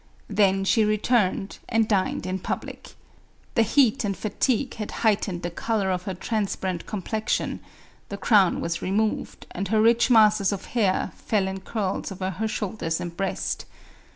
Then she returned, and dined in public. The heat and fatigue had heightened the color of her transparent com plexion, the crown was remo'ved, and her rich masses of hair fell in curls over her shoulders and breast.